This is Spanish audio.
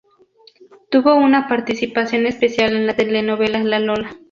Tuvo una participación especial en la telenovela La Lola.